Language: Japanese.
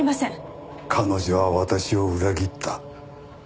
彼女は私を裏切った。